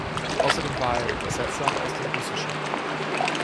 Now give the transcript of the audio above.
Außerdem war er Übersetzer aus dem Russischen.